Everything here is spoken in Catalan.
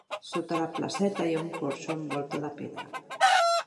Sota la placeta hi ha un porxo amb volta de pedra.